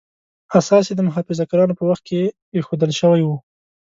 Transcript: اساس یې د محافظه کارانو په وخت کې ایښودل شوی و.